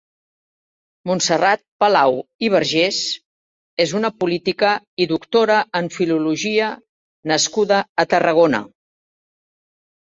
Montserrat Palau i Vergés és una política i doctora en filologia nascuda a Tarragona.